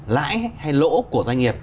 lãi hay lỗ của doanh nghiệp